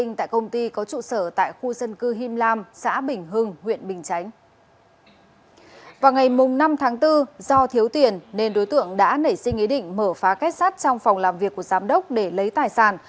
năm tháng bốn do thiếu tiền nên đối tượng đã nảy sinh ý định mở phá kết sắt trong phòng làm việc của giám đốc để lấy tài sản